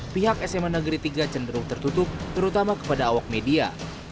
pihak sma negeri tiga cenderung tertutup terutama kepada awak media